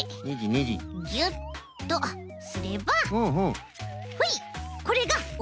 ギュッとすればほいこれがおさかな！